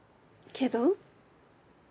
けど？